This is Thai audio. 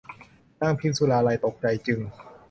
นางพิมสุราลัยตกใจจึง